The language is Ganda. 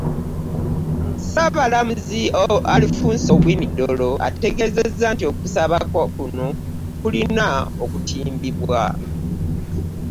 Ssaabalamuzi Alfonse Owiny Dollo, ategeezezza nti okusaba kuno kulina okutimbibwa